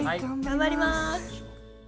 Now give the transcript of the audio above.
頑張ります！